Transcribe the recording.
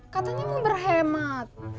katanya mau berhemat